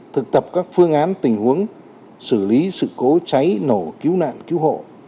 thực tập các phương án tình huống xử lý sự cố cháy nổ cứu nạn cứu hộ